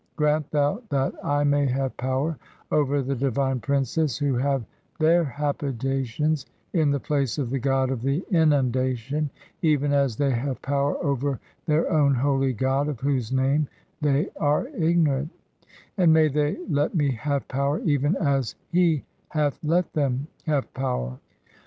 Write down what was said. Grant thou that "I may have power over the divine princes who have their ha bitations in the place of (4) the god of the inundation, even "as they have power over their own holy god of whose name "they are ignorant ; and may they let me have power even as "[he hath let them have power]."